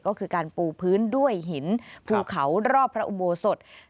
ก็คือการปูพื้นด้วยหินภูเขารอบพระอุโบสถ